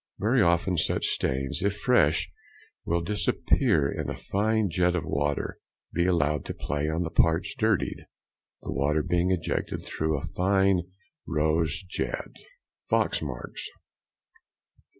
Very often such stains, if fresh, will disappear if a fine jet of water be allowed to play on the parts dirtied, the water being ejected through a fine rose jet. _Fox marks.